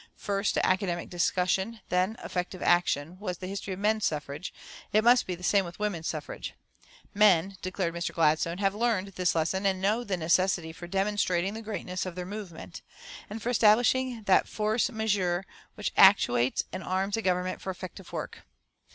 First academic discussion, then effective action, was the history of men's suffrage; it must be the same with women's suffrage. "Men," declared Mr. Gladstone, "have learned this lesson and know the necessity for demonstrating the greatness of their movement, and for establishing that force majeure which actuates and arms a Government for effective work.